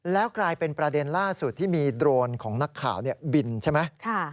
แล้วกลายเป็นประเด็นล่าสุดที่มีโดรนของนักข่าวบินใช่ไหม